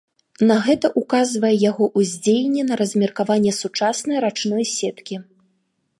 На гэта ўказвае яго ўздзеянне на размеркаванне сучаснай рачной сеткі.